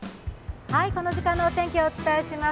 この時間のお天気をお伝えします。